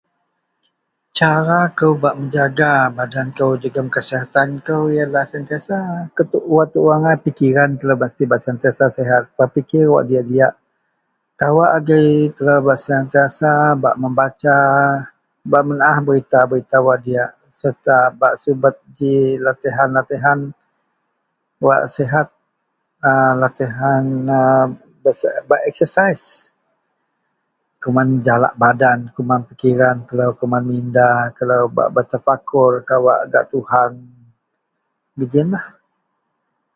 Cara kou bak mejaga badan kou jegem kasihatan kou iyenlah sentiasa wak tuo angai pikiran telo bak sentiasa sehat pikir wak diyak-diyak kawak agei telo bak sentiasa bak mebasa bak menaah berita-berita wak diyak serta bak subet ji latihan-latihan wak sehat a latihan bak eksasaih kuman jalak badan kuman pikiran telo kuman minda telo kawak bak tafakur kawak gak Tuhan geiyen lah.